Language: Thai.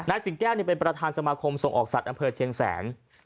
สิงแก้วเป็นประธานสมาคมส่งออกสัตว์อำเภอเชียงแสน